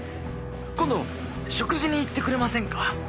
今度食事に行ってくれませんか？